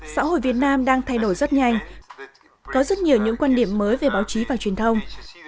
xã hội việt nam đang thay đổi rất nhanh có rất nhiều những quan điểm mới về báo chí và truyền thông